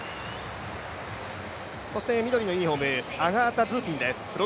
そして緑のユニフォーム、アガータ・ズーピンです。